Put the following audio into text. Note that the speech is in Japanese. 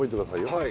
はい。